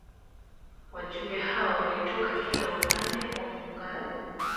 Wajumbe hao walitoka kila upande wa Muungano